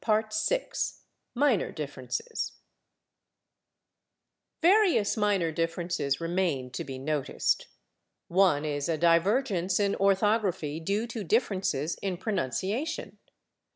" § 6 /Minor Differences/ Various minor differences remain to be noticed. One is a divergence in orthography due to differences in pronunciation.